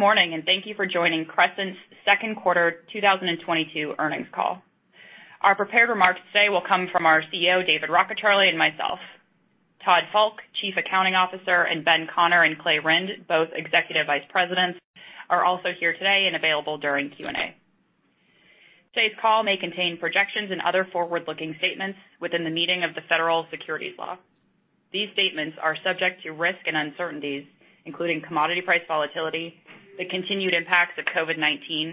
Morning, thank you for joining Crescent's second quarter 2022 earnings call. Our prepared remarks today will come from our CEO, David Rockecharlie, and myself. Todd Falk, Chief Accounting Officer, and Ben Conner and Clay Rynd, both Executive Vice Presidents, are also here today and available during Q&A. Today's call may contain projections and other forward-looking statements within the meaning of the Federal Securities Law. These statements are subject to risks and uncertainties, including commodity price volatility, the continued impacts of COVID-19,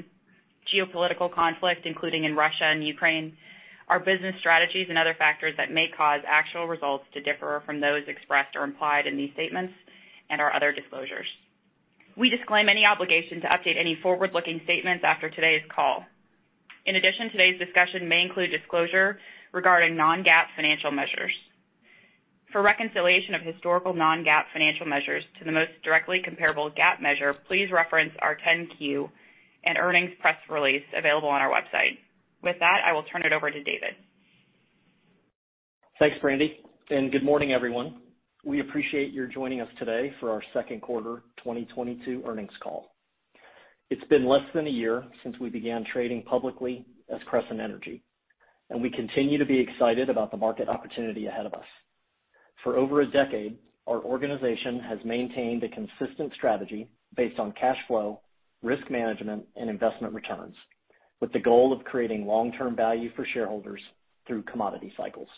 geopolitical conflict, including in Russia and Ukraine, our business strategies and other factors that may cause actual results to differ from those expressed or implied in these statements and our other disclosures. We disclaim any obligation to update any forward-looking statements after today's call. In addition, today's discussion may include disclosure regarding non-GAAP financial measures. For reconciliation of historical non-GAAP financial measures to the most directly comparable GAAP measure, please reference our 10-Q and earnings press release available on our website. With that, I will turn it over to David. Thanks, Brandi, and good morning, everyone. We appreciate your joining us today for our second quarter 2022 earnings call. It's been less than a year since we began trading publicly as Crescent Energy, and we continue to be excited about the market opportunity ahead of us. For over a decade, our organization has maintained a consistent strategy based on cash flow, risk management, and investment returns, with the goal of creating long-term value for shareholders through commodity cycles.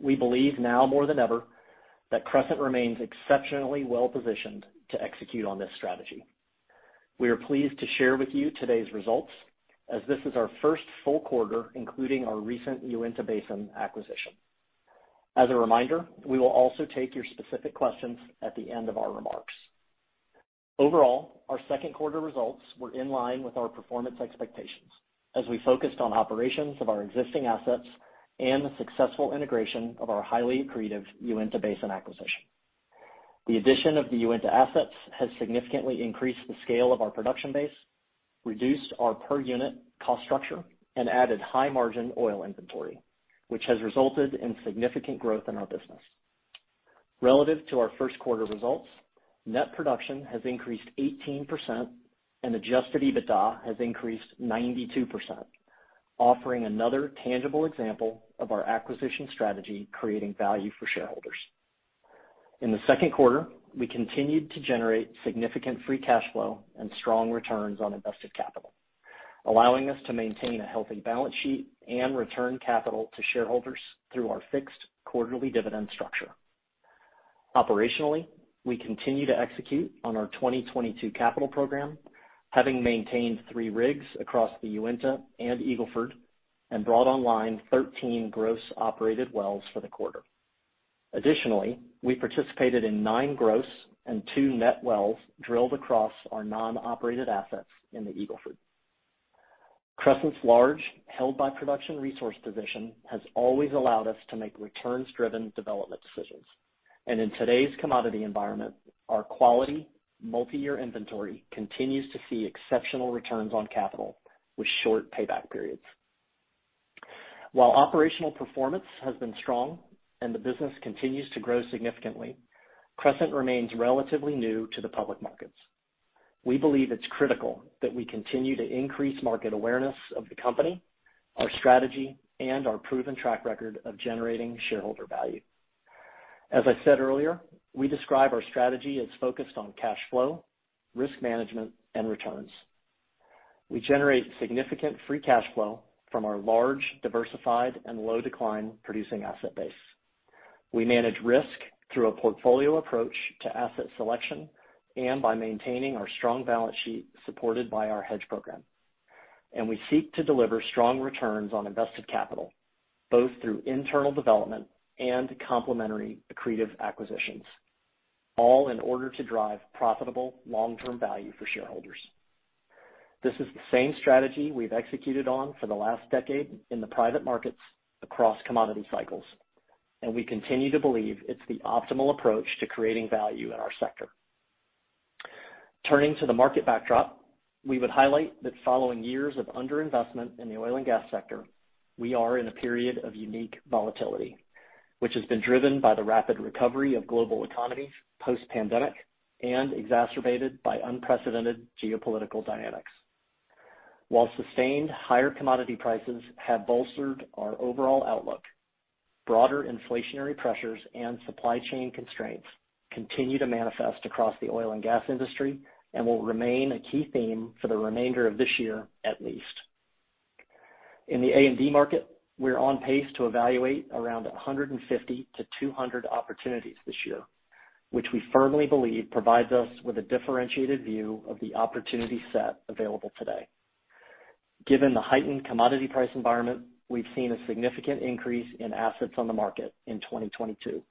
We believe now more than ever, that Crescent remains exceptionally well-positioned to execute on this strategy. We are pleased to share with you today's results as this is our first full quarter, including our recent Uinta Basin acquisition. As a reminder, we will also take your specific questions at the end of our remarks. Overall, our second quarter results were in line with our performance expectations as we focused on operations of our existing assets and the successful integration of our highly accretive Uinta Basin acquisition. The addition of the Uinta assets has significantly increased the scale of our production base, reduced our per unit cost structure, and added high-margin oil inventory, which has resulted in significant growth in our business. Relative to our first quarter results, net production has increased 18% and adjusted EBITDA has increased 92%, offering another tangible example of our acquisition strategy creating value for shareholders. In the second quarter, we continued to generate significant free cash flow and strong returns on invested capital, allowing us to maintain a healthy balance sheet and return capital to shareholders through our fixed quarterly dividend structure. Operationally, we continue to execute on our 2022 capital program, having maintained three rigs across the Uinta and Eagle Ford and brought online 13 gross operated wells for the quarter. Additionally, we participated in nine gross and two net wells drilled across our non-operated assets in the Eagle Ford. Crescent's large held by production resource position has always allowed us to make returns-driven development decisions. In today's commodity environment, our quality multi-year inventory continues to see exceptional returns on capital with short payback periods. While operational performance has been strong and the business continues to grow significantly, Crescent remains relatively new to the public markets. We believe it's critical that we continue to increase market awareness of the company, our strategy, and our proven track record of generating shareholder value. As I said earlier, we describe our strategy as focused on cash flow, risk management, and returns. We generate significant free cash flow from our large, diversified, and low decline producing asset base. We manage risk through a portfolio approach to asset selection and by maintaining our strong balance sheet supported by our hedge program. We seek to deliver strong returns on invested capital, both through internal development and complementary accretive acquisitions, all in order to drive profitable long-term value for shareholders. This is the same strategy we've executed on for the last decade in the private markets across commodity cycles, and we continue to believe it's the optimal approach to creating value in our sector. Turning to the market backdrop, we would highlight that following years of under-investment in the oil and gas sector, we are in a period of unique volatility, which has been driven by the rapid recovery of global economies post-pandemic and exacerbated by unprecedented geopolitical dynamics. While sustained higher commodity prices have bolstered our overall outlook, broader inflationary pressures and supply chain constraints continue to manifest across the oil and gas industry and will remain a key theme for the remainder of this year, at least. In the A&D market, we're on pace to evaluate around 150-200 opportunities this year, which we firmly believe provides us with a differentiated view of the opportunity set available today. Given the heightened commodity price environment, we've seen a significant increase in assets on the market in 2022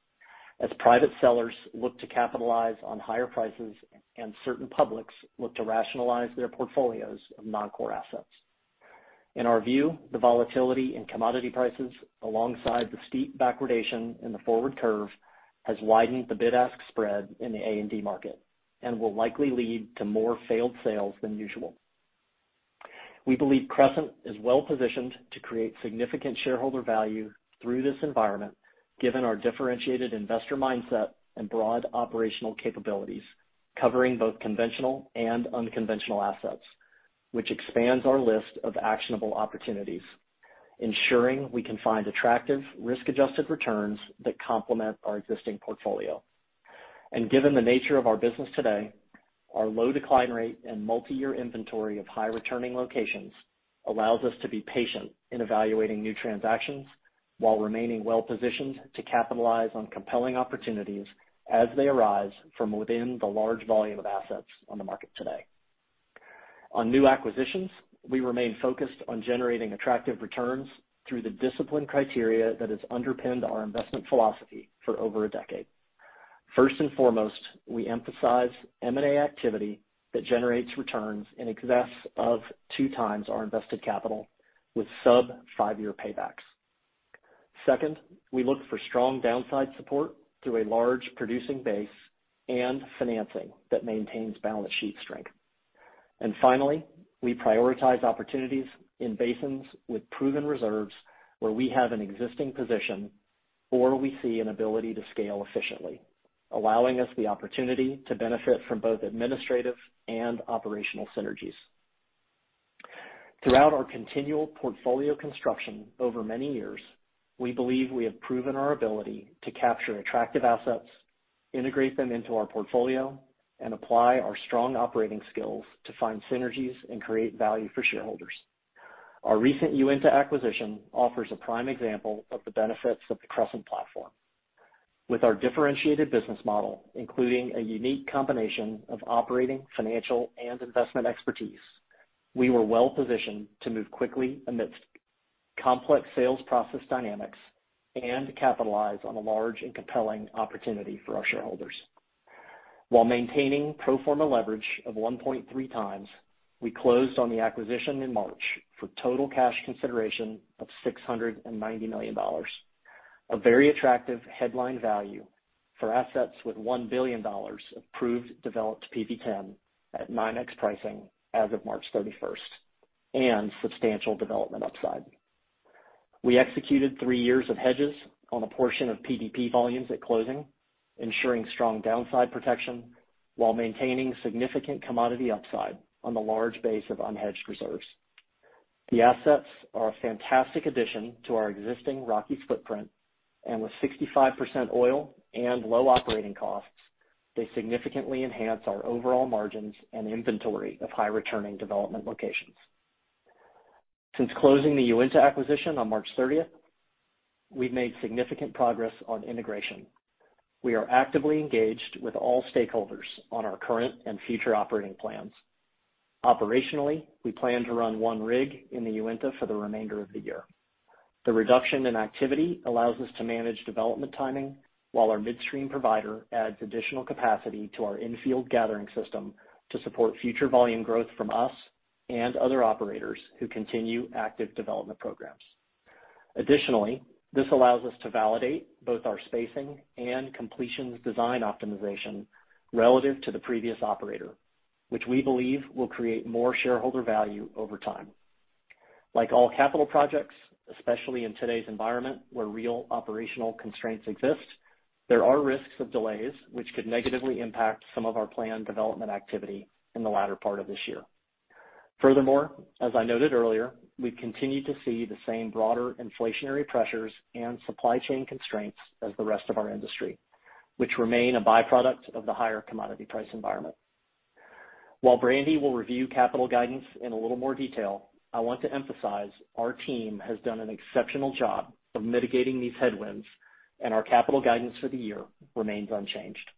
as private sellers look to capitalize on higher prices and certain publics look to rationalize their portfolios of non-core assets. In our view, the volatility in commodity prices alongside the steep backwardation in the forward curve has widened the bid-ask spread in the A&D market and will likely lead to more failed sales than usual. We believe Crescent is well-positioned to create significant shareholder value through this environment, given our differentiated investor mindset and broad operational capabilities, covering both conventional and unconventional assets, which expands our list of actionable opportunities, ensuring we can find attractive risk-adjusted returns that complement our existing portfolio. Given the nature of our business today, our low decline rate and multiyear inventory of high-returning locations allows us to be patient in evaluating new transactions while remaining well-positioned to capitalize on compelling opportunities as they arise from within the large volume of assets on the market today. On new acquisitions, we remain focused on generating attractive returns through the disciplined criteria that has underpinned our investment philosophy for over a decade. First and foremost, we emphasize M&A activity that generates returns in excess of 2x our invested capital with sub five-year paybacks. Second, we look for strong downside support through a large producing base and financing that maintains balance sheet strength. Finally, we prioritize opportunities in basins with proven reserves where we have an existing position, or we see an ability to scale efficiently, allowing us the opportunity to benefit from both administrative and operational synergies. Throughout our continual portfolio construction over many years, we believe we have proven our ability to capture attractive assets, integrate them into our portfolio, and apply our strong operating skills to find synergies and create value for shareholders. Our recent Uinta acquisition offers a prime example of the benefits of the Crescent platform. With our differentiated business model, including a unique combination of operating, financial, and investment expertise, we were well-positioned to move quickly amidst complex sales process dynamics and capitalize on a large and compelling opportunity for our shareholders. While maintaining pro forma leverage of 1.3x, we closed on the acquisition in March for total cash consideration of $690 million, a very attractive headline value for assets with $1 billion of proved developed PV-10 at 9x pricing as of March 31, and substantial development upside. We executed 3 years of hedges on a portion of PDP volumes at closing, ensuring strong downside protection while maintaining significant commodity upside on the large base of unhedged reserves. The assets are a fantastic addition to our existing Rockies footprint, and with 65% oil and low operating costs, they significantly enhance our overall margins and inventory of high-returning development locations. Since closing the Uinta acquisition on March thirtieth, we've made significant progress on integration. We are actively engaged with all stakeholders on our current and future operating plans. Operationally, we plan to run one rig in the Uinta for the remainder of the year. The reduction in activity allows us to manage development timing while our midstream provider adds additional capacity to our infield gathering system to support future volume growth from us and other operators who continue active development programs. Additionally, this allows us to validate both our spacing and completions design optimization relative to the previous operator, which we believe will create more shareholder value over time. Like all capital projects, especially in today's environment, where real operational constraints exist, there are risks of delays which could negatively impact some of our planned development activity in the latter part of this year. Furthermore, as I noted earlier, we continue to see the same broader inflationary pressures and supply chain constraints as the rest of our industry, which remain a by-product of the higher commodity price environment. While Brandi will review capital guidance in a little more detail, I want to emphasize our team has done an exceptional job of mitigating these headwinds, and our capital guidance for the year remains unchanged.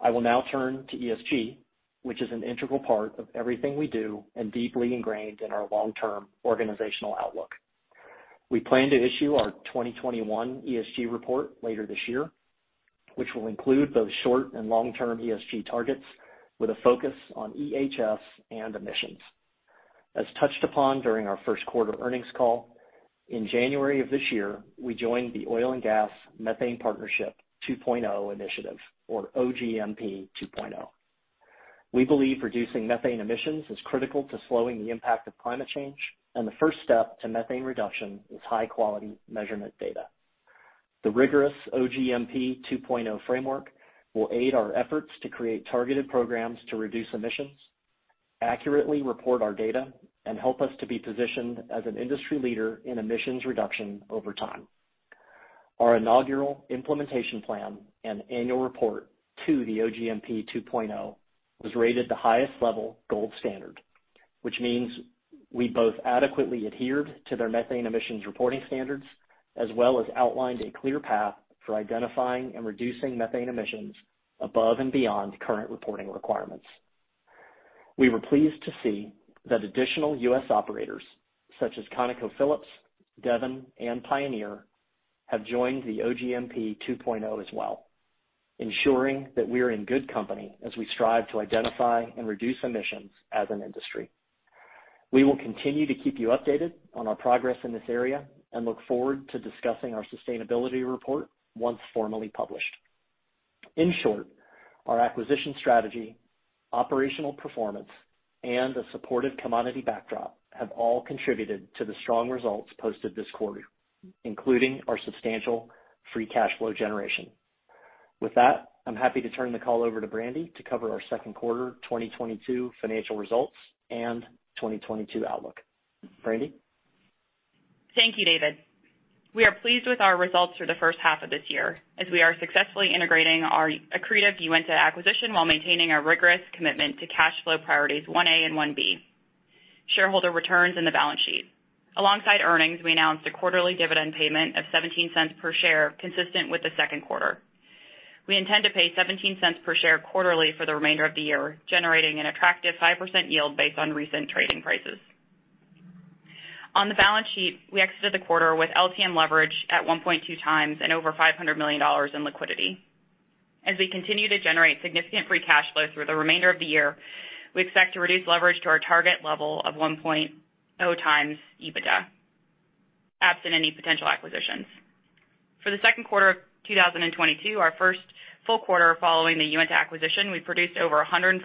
I will now turn to ESG, which is an integral part of everything we do and deeply ingrained in our long-term organizational outlook. We plan to issue our 2021 ESG report later this year, which will include both short- and long-term ESG targets with a focus on EHS and emissions. As touched upon during our first quarter earnings call, in January of this year, we joined the Oil and Gas Methane Partnership 2.0 initiative or OGMP 2.0. We believe reducing methane emissions is critical to slowing the impact of climate change, and the first step to methane reduction is high-quality measurement data. The rigorous OGMP 2.0 framework will aid our efforts to create targeted programs to reduce emissions, accurately report our data, and help us to be positioned as an industry leader in emissions reduction over time. Our inaugural implementation plan and annual report to the OGMP 2.0 was rated the highest level gold standard, which means we both adequately adhered to their methane emissions reporting standards, as well as outlined a clear path for identifying and reducing methane emissions above and beyond current reporting requirements. We were pleased to see that additional U.S. operators, such as ConocoPhillips, Devon Energy, and Pioneer Natural Resources, have joined the OGMP 2.0 as well, ensuring that we are in good company as we strive to identify and reduce emissions as an industry. We will continue to keep you updated on our progress in this area and look forward to discussing our sustainability report once formally published. In short, our acquisition strategy, operational performance, and a supportive commodity backdrop have all contributed to the strong results posted this quarter, including our substantial free cash flow generation. With that, I'm happy to turn the call over to Brandi to cover our second quarter 2022 financial results and 2022 outlook. Brandi? Thank you, David. We are pleased with our results for the first half of this year as we are successfully integrating our accretive Uinta acquisition while maintaining our rigorous commitment to cash flow priorities 1A and 1B, shareholder returns and the balance sheet. Alongside earnings, we announced a quarterly dividend payment of $0.17 per share, consistent with the second quarter. We intend to pay $0.17 per share quarterly for the remainder of the year, generating an attractive 5% yield based on recent trading prices. On the balance sheet, we exited the quarter with LTM leverage at 1.2x and over $500 million in liquidity. As we continue to generate significant free cash flow through the remainder of the year, we expect to reduce leverage to our target level of 1.0x EBITDA, absent any potential acquisitions. For the second quarter of 2022, our first full quarter following the Uinta acquisition, we produced over 140,000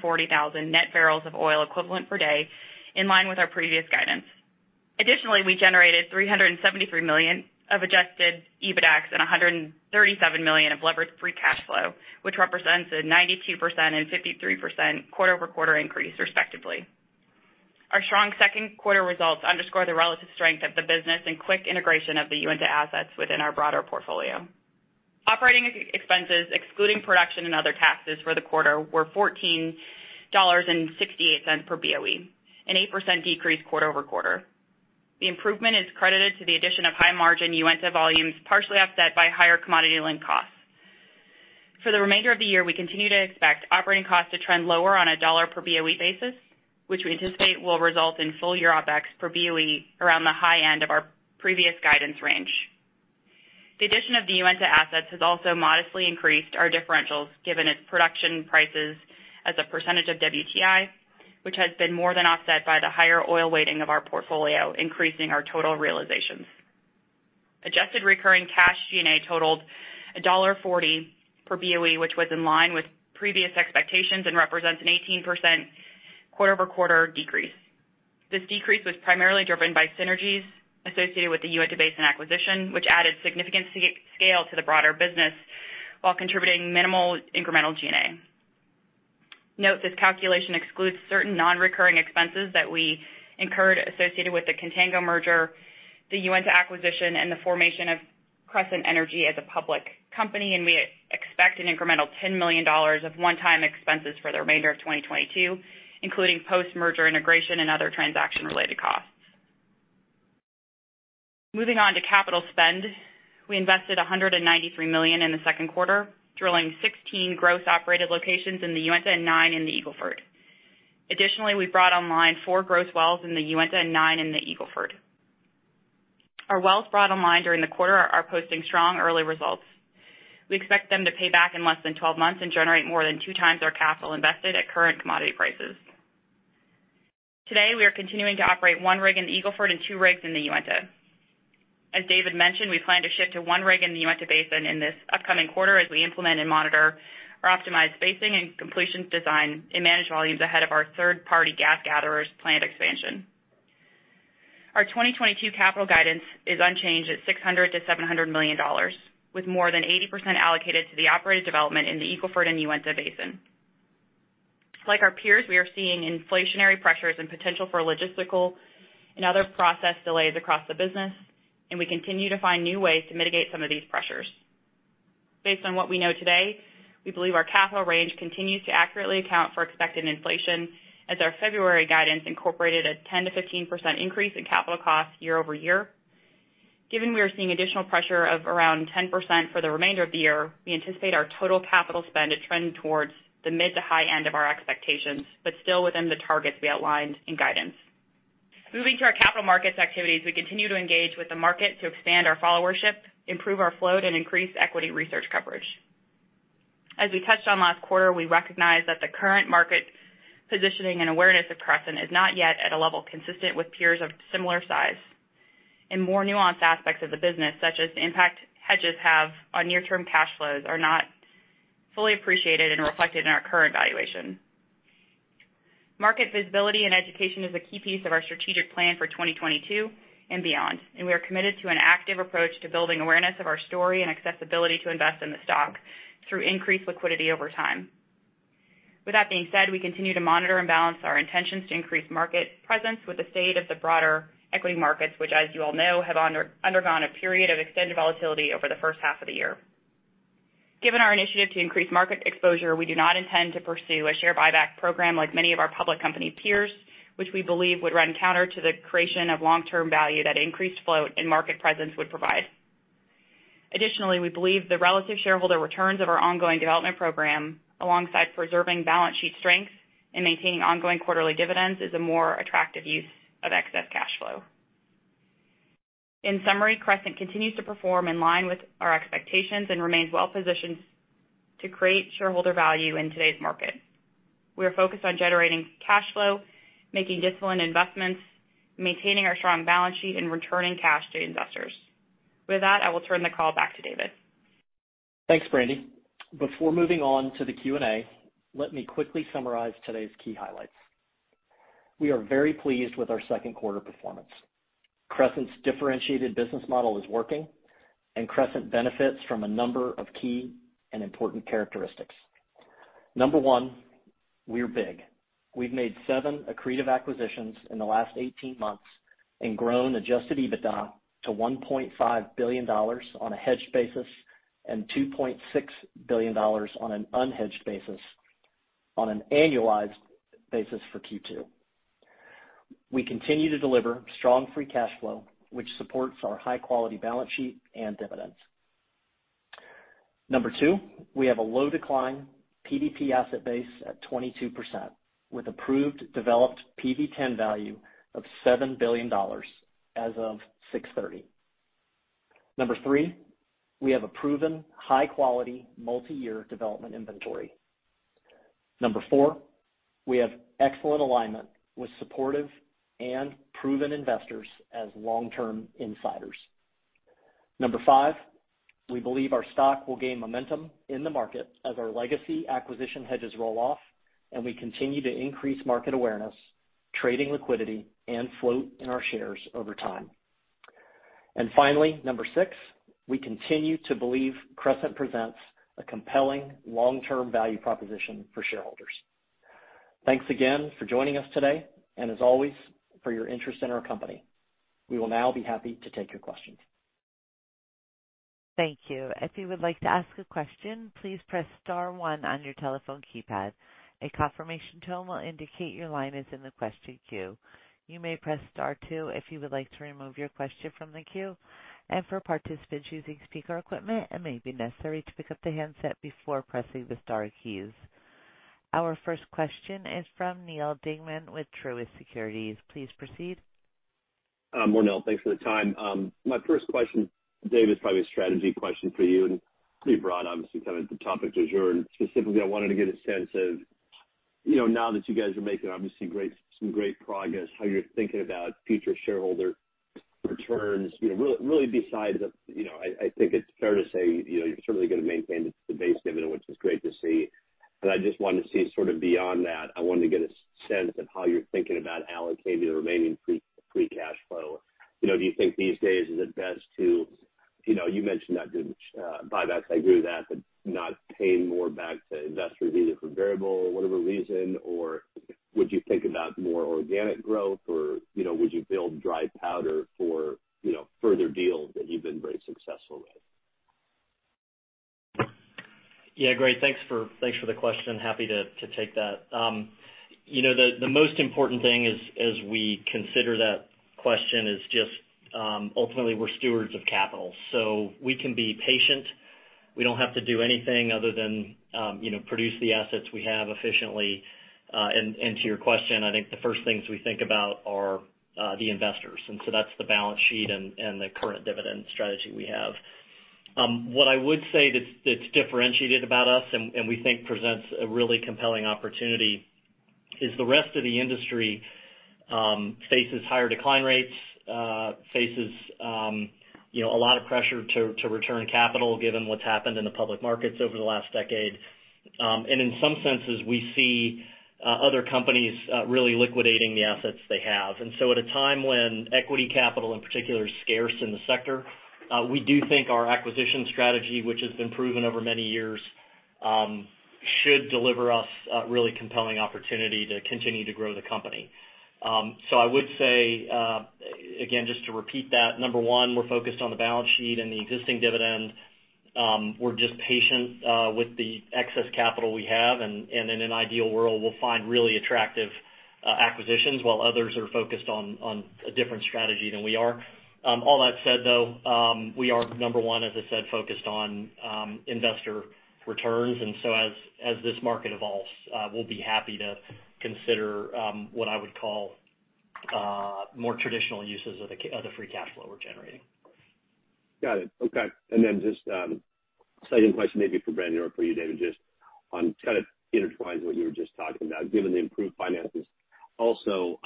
net barrels of oil equivalent per day, in line with our previous guidance. Additionally, we generated $373 million of adjusted EBITDAX and $137 million of levered free cash flow, which represents a 92% and 53% quarter-over-quarter increase, respectively. Our strong second quarter results underscore the relative strength of the business and quick integration of the Uinta assets within our broader portfolio. Operating expenses, excluding production and other taxes for the quarter, were $14.68 per BOE, an 8% decrease quarter-over-quarter. The improvement is credited to the addition of high-margin Uinta volumes, partially offset by higher commodity-linked costs. For the remainder of the year, we continue to expect operating costs to trend lower on a $ per BOE basis, which we anticipate will result in full-year OPEX per BOE around the high end of our previous guidance range. The addition of the Uinta assets has also modestly increased our differentials given its production prices as a percentage of WTI, which has been more than offset by the higher oil weighting of our portfolio, increasing our total realizations. Adjusted recurring cash G&A totaled $1.40 per BOE, which was in line with previous expectations and represents an 18% quarter-over-quarter decrease. This decrease was primarily driven by synergies associated with the Uinta Basin acquisition, which added significant scale to the broader business while contributing minimal incremental G&A. Note, this calculation excludes certain non-recurring expenses that we incurred associated with the Contango merger, the Uinta acquisition, and the formation of Crescent Energy as a public company, and we expect an incremental $10 million of one-time expenses for the remainder of 2022, including post-merger integration and other transaction-related costs. Moving on to capital spend, we invested $193 million in the second quarter, drilling 16 gross operated locations in the Uinta and 9 in the Eagle Ford. Additionally, we brought online four gross wells in the Uinta and 9 in the Eagle Ford. Our wells brought online during the quarter are posting strong early results. We expect them to pay back in less than 12 months and generate more than 2x our capital invested at current commodity prices. Today, we are continuing to operate one rig in the Eagle Ford and two rigs in the Uinta. As David mentioned, we plan to shift to one rig in the Uinta Basin in this upcoming quarter as we implement and monitor our optimized spacing and completion design and manage volumes ahead of our third-party gas gatherers planned expansion. Our 2022 capital guidance is unchanged at $600 million-$700 million, with more than 80% allocated to the operated development in the Eagle Ford and Uinta Basin. Like our peers, we are seeing inflationary pressures and potential for logistical and other process delays across the business, and we continue to find new ways to mitigate some of these pressures. Based on what we know today, we believe our capital range continues to accurately account for expected inflation, as our February guidance incorporated a 10%-15% increase in capital costs year-over-year. Given we are seeing additional pressure of around 10% for the remainder of the year, we anticipate our total capital spend to trend towards the mid to high end of our expectations, but still within the targets we outlined in guidance. Moving to our capital markets activities, we continue to engage with the market to expand our followership, improve our float, and increase equity research coverage. As we touched on last quarter, we recognize that the current market positioning and awareness of Crescent is not yet at a level consistent with peers of similar size, and more nuanced aspects of the business, such as the impact hedges have on near-term cash flows, are not fully appreciated and reflected in our current valuation. Market visibility and education is a key piece of our strategic plan for 2022 and beyond, and we are committed to an active approach to building awareness of our story and accessibility to invest in the stock through increased liquidity over time. With that being said, we continue to monitor and balance our intentions to increase market presence with the state of the broader equity markets, which, as you all know, have undergone a period of extended volatility over the first half of the year. Given our initiative to increase market exposure, we do not intend to pursue a share buyback program like many of our public company peers, which we believe would run counter to the creation of long-term value that increased float and market presence would provide. Additionally, we believe the relative shareholder returns of our ongoing development program, alongside preserving balance sheet strength and maintaining ongoing quarterly dividends, is a more attractive use of excess cash flow. In summary, Crescent continues to perform in line with our expectations and remains well-positioned to create shareholder value in today's market. We are focused on generating cash flow, making disciplined investments, maintaining our strong balance sheet and returning cash to investors. With that, I will turn the call back to David. Thanks, Brandi. Before moving on to the Q&A, let me quickly summarize today's key highlights. We are very pleased with our second quarter performance. Crescent's differentiated business model is working, and Crescent benefits from a number of key and important characteristics. Number one, we're big. We've made 7 accretive acquisitions in the last 18 months and grown adjusted EBITDA to $1.5 billion on a hedged basis and $2.6 billion on an unhedged basis on an annualized basis for Q2. We continue to deliver strong free cash flow, which supports our high-quality balance sheet and dividends. Number two, we have a low decline PDP asset base at 22%, with approved developed PV-10 value of $7 billion as of 6/30. Number three, we have a proven high quality multi-year development inventory. Number four, we have excellent alignment with supportive and proven investors as long-term insiders. Number five, we believe our stock will gain momentum in the market as our legacy acquisition hedges roll off, and we continue to increase market awareness, trading liquidity, and float in our shares over time. Finally, number six, we continue to believe Crescent presents a compelling long-term value proposition for shareholders. Thanks again for joining us today and, as always, for your interest in our company. We will now be happy to take your questions. Thank you. If you would like to ask a question, please press star one on your telephone keypad. A confirmation tone will indicate your line is in the question queue. You may press star two if you would like to remove your question from the queue. For participants using speaker equipment, it may be necessary to pick up the handset before pressing the star keys. Our first question is from Neal Dingmann with Truist Securities. Please proceed. Morning, Neal. Thanks for the time. My first question, David, is probably a strategy question for you, and pretty broad, obviously, kind of the topic du jour. Specifically, I wanted to get a sense of, you know, now that you guys are making obviously some great progress, how you're thinking about future shareholder returns. You know, really besides the, you know, I think it's fair to say, you know, you're certainly gonna maintain the base dividend, which is great to see. I just wanted to see sort of beyond that, I wanted to get a sense of how you're thinking about allocating the remaining free cash flow. You know, do you think these days is it best to. You know, you mentioned not doing buybacks. I agree with that, but not paying more back to investors either for variable or whatever reason. Would you think about more organic growth or, you know, would you build dry powder for, you know, further deals that you've been very successful with? Yeah. Great. Thanks for the question. Happy to take that. You know, the most important thing is, as we consider that question, is just ultimately we're stewards of capital, so we can be patient. We don't have to do anything other than you know, produce the assets we have efficiently. To your question, I think the first things we think about are the investors, and so that's the balance sheet and the current dividend strategy we have. What I would say that's differentiated about us and we think presents a really compelling opportunity is the rest of the industry faces higher decline rates, faces you know, a lot of pressure to return capital given what's happened in the public markets over the last decade. In some senses, we see other companies really liquidating the assets they have. At a time when equity capital in particular is scarce in the sector, we do think our acquisition strategy, which has been proven over many years, should deliver us a really compelling opportunity to continue to grow the company. I would say again, just to repeat that, number one, we're focused on the balance sheet and the existing dividend. We're just patient with the excess capital we have. In an ideal world, we'll find really attractive acquisitions while others are focused on a different strategy than we are. All that said, though, we are, number one, as I said, focused on investor returns. As this market evolves, we'll be happy to consider what I would call more traditional uses of the free cash flow we're generating. Got it. Okay. Just second question maybe for Brandi or for you, David, just on kind of intertwined what you were just talking about, given the improved finances. Also,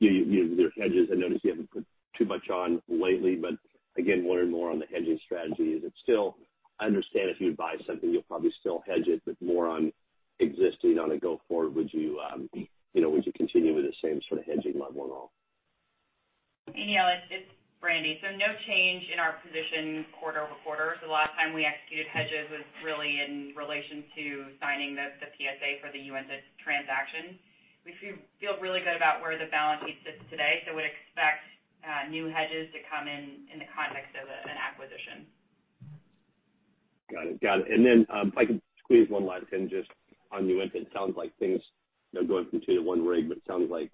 your hedges, I noticed you haven't put too much on lately, but again, more on the hedging strategy. Is it still? I understand if you buy something you'll probably still hedge it, but more on existing on a go forward, you know, would you continue with the same sort of hedging level and all? Hey, Neal, it's Brandi. No change in our position quarter-over-quarter. The last time we executed hedges was really in relation to signing the PSA for the Uinta transaction. We feel really good about where the balance sheet sits today, so would expect new hedges to come in in the context of an acquisition. Got it. If I could squeeze one last in just on Uinta. It sounds like things, you know, going from 2 to 1 rig, but it sounds like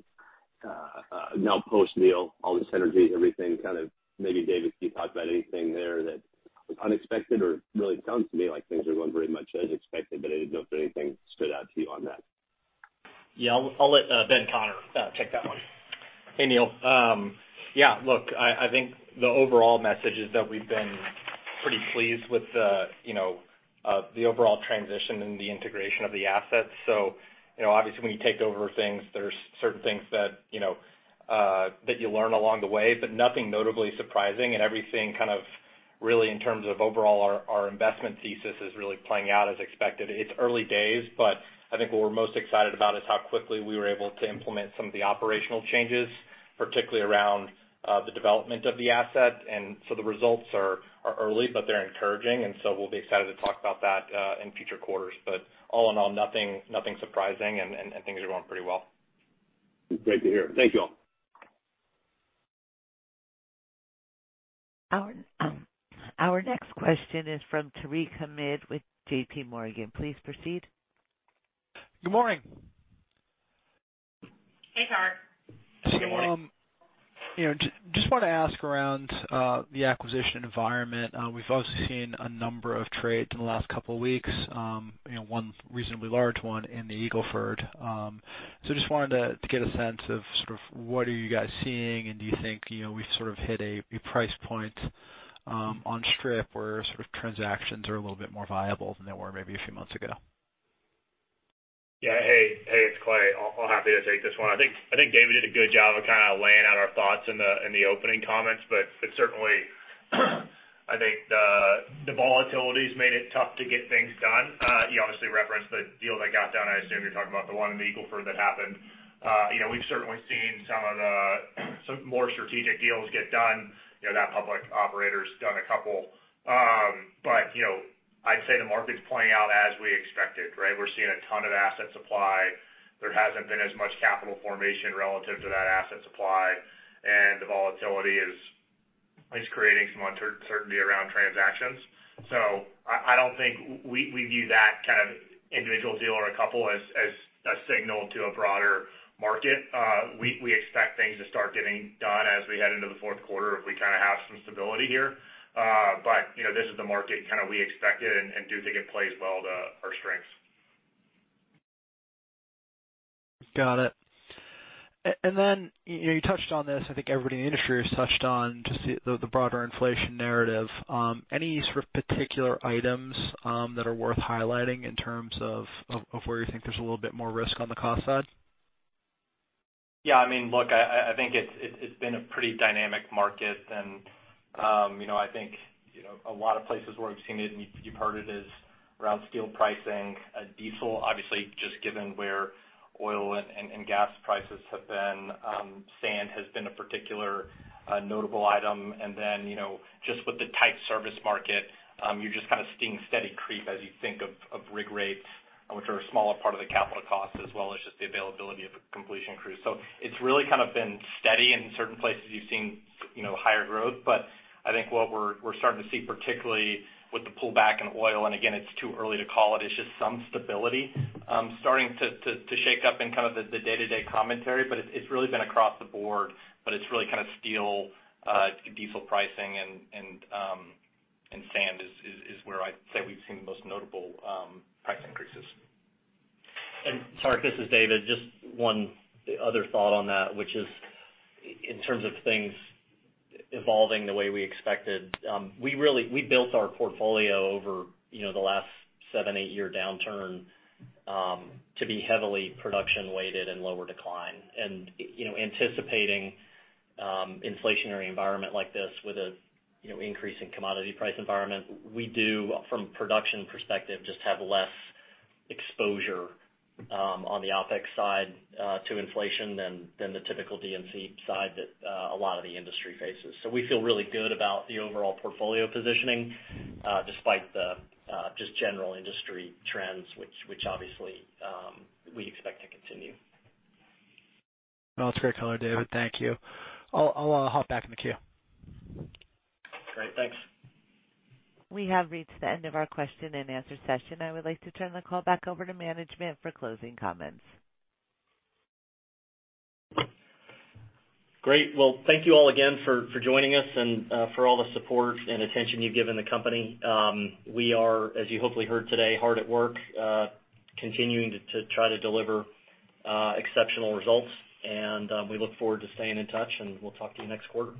now post-deal, all the synergy, everything kind of. Maybe David, can you talk about anything there that was unexpected? Or really it sounds to me like things are going pretty much as expected, but I didn't know if anything stood out to you on that. Yeah. I'll let Ben Conner take that one. Hey, Neal. Yeah, look, I think the overall message is that we've been pretty pleased with the, you know, the overall transition and the integration of the assets. You know, obviously, when you take over things, there's certain things that, you know, that you learn along the way, but nothing notably surprising and everything kind of really in terms of overall our investment thesis is really playing out as expected. It's early days, but I think what we're most excited about is how quickly we were able to implement some of the operational changes, particularly around the development of the asset. The results are early, but they're encouraging, and we'll be excited to talk about that in future quarters. All in all, nothing surprising and things are going pretty well. Great to hear. Thank you all. Our next question is from Tarek Hamid with J.P. Morgan. Please proceed. Good morning. Hey, Tarek. Good morning. You know, just wanna ask around the acquisition environment. We've obviously seen a number of trades in the last couple weeks, you know, one reasonably large one in the Eagle Ford. Just wanted to get a sense of sort of what are you guys seeing, and do you think, you know, we sort of hit a price point on strip where sort of transactions are a little bit more viable than they were maybe a few months ago? Yeah. Hey, it's Clay. I'll happily take this one. I think David did a good job of kinda laying out our thoughts in the opening comments, but certainly, I think the volatility's made it tough to get things done. You obviously referenced the deal that got done. I assume you're talking about the one in the Eagle Ford that happened. You know, we've certainly seen some of the more strategic deals get done. You know, that public operator's done a couple. You know, I'd say the market's playing out as we expected, right? We're seeing a ton of asset supply. There hasn't been as much capital formation relative to that asset supply, and the volatility is creating some uncertainty around transactions. I don't think we view that kind of individual deal or a couple as a signal to a broader market. We expect things to start getting done as we head into the fourth quarter if we kinda have some stability here. You know, this is the market kinda we expected and do think it plays well to our strengths. Got it. You know, you touched on this, I think everybody in the industry has touched on just the broader inflation narrative. Any sort of particular items that are worth highlighting in terms of where you think there's a little bit more risk on the cost side? Yeah, I mean, look, I think it's been a pretty dynamic market and, you know, I think, you know, a lot of places where we've seen it, and you've heard it, is around steel pricing, diesel, obviously just given where oil and gas prices have been. Sand has been a particular notable item. Then, you know, just with the tight service market, you're just kinda seeing steady creep as you think of rig rates, which are a smaller part of the capital costs, as well as just the availability of the completion crew. It's really kind of been steady. In certain places you've seen, you know, higher growth. I think what we're starting to see, particularly with the pullback in oil, and again, it's too early to call it. It's just some stability starting to shake up in kind of the day-to-day commentary, but it's really been across the board, but it's really kind of still diesel pricing and sand is where I'd say we've seen the most notable price increases. Tarek, this is David, just one other thought on that, which is in terms of things evolving the way we expected, we really built our portfolio over, you know, the last 7-8-year downturn, to be heavily production weighted and lower decline. You know, anticipating inflationary environment like this with a, you know, increase in commodity price environment, we do, from production perspective, just have less exposure, on the OPEX side, to inflation than the typical D&C side that a lot of the industry faces. We feel really good about the overall portfolio positioning, despite the just general industry trends, which obviously we expect to continue. Well, that's great color, David. Thank you. I'll hop back in the queue. Great. Thanks. We have reached the end of our question-and-answer session. I would like to turn the call back over to management for closing comments. Great. Well, thank you all again for joining us and for all the support and attention you've given the company. We are, as you hopefully heard today, hard at work, continuing to try to deliver exceptional results, and we look forward to staying in touch, and we'll talk to you next quarter.